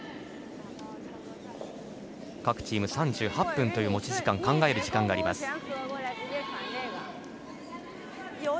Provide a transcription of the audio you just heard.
各チーム３８分という持ち時間考える時間があります。